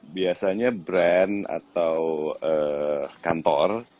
biasanya brand atau kantor